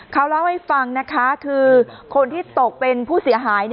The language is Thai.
เขาเล่าให้ฟังนะคะคือคนที่ตกเป็นผู้เสียหาย